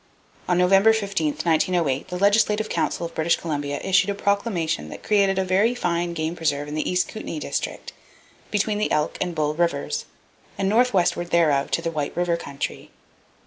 On November 15, 1908, the Legislative Council of British Columbia issued a proclamation that created a very fine game preserve in the East Kootenai District, between the Elk and Bull Rivers and northwestward thereof to the White River country.